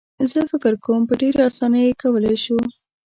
زه فکر کوم په ډېره اسانۍ یې کولای شو.